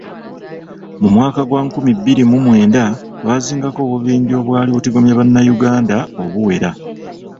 Mu mwaka gwa nkumi bbiri mu mwenda twazingako obubinja obwali butigomya bannayuganda obuwera.